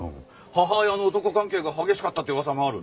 母親の男関係が激しかったって噂もある。